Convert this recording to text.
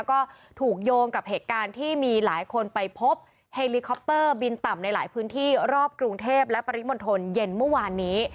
ก็ถูกโยงกับเหตุการณ์ที่มีหลายคนไปพบเฮลิคอปเตอร์บินต่ำในหลายพื้นที่รอบกรุงเทพและปริมณฑลเย็นเมื่อวานนี้